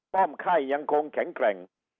ป้อมไข้ยังคงแข็งแกร่ง